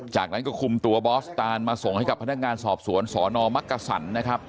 จากนั้นก็คุมตัวบอสตานมาส่งให้กับพนักงานสอบสวนสนมักกษันนะครับ